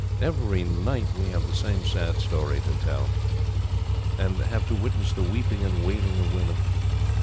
Every night we have the same sad story to tell, and have to witness the weeping and wailing of women.